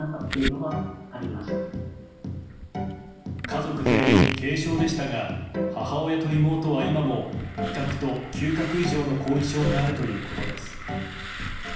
家族全員軽症でしたが母親と妹は今も味覚と嗅覚異常の後遺症があるということです。